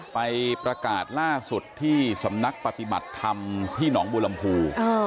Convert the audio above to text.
ไปประกาศล่าสุดที่สำนักปฏิบัติธรรมที่หนองบัวลำพู